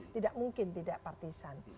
tidak mungkin tidak partisan